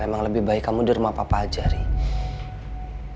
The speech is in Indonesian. emang lebih baik kamu di rumah papa aja riri